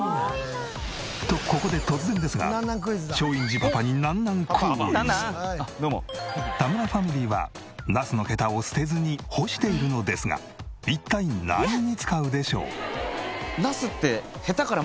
とここで突然ですが松陰寺パパに田村ファミリーはナスのヘタを捨てずに干しているのですが一体何に使うでしょう？